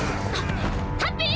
ハッピー！